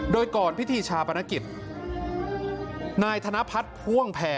โดยก่อนพิธีชาปนกิจนายธนพัฒน์พ่วงแผ่